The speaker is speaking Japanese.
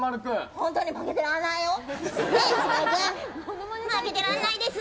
本当に負けてられないよ！